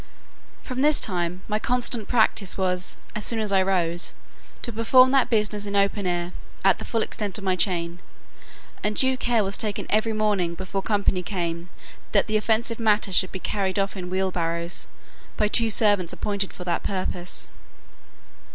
From this time my constant practice was, as soon as I rose, to perform that business in open air, at the full extent of my chain; and due care was taken every morning before company came, that the offensive matter should be carried off in wheel barrows, by two servants appointed for that purpose.